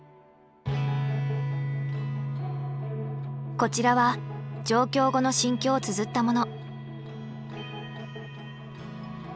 こちらは上京後の心境をつづったもの。